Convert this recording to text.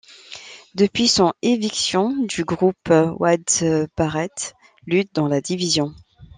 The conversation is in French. Depuis son éviction du groupe, Wade Barrett lutte dans la division '.